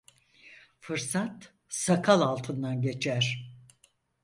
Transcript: Fırsat sakal altından geçer.